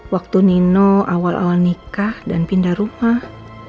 waktu nino awal awal nikah dan pindah rumah